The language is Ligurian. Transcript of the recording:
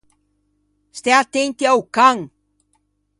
Stæ attenti a-o can!